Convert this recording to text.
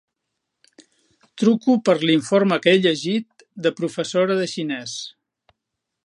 Truco per l'informe que he llegit de professora de xinès.